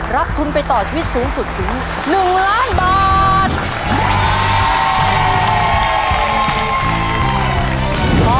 รับทุนไปต่อชีวิตสูงสุดถึง๑ล้านบาท